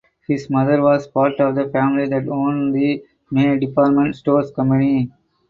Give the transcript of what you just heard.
His mother was part of the family that owned the May Department Stores Company.